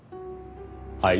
はい？